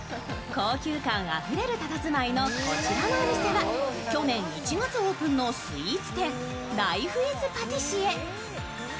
高級感あふれるたたずまいのこちらのお店は去年１月オープンのスイーツ店、ライフ・イズ・パティシエ。